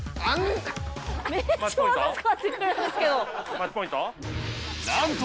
マッチポイント？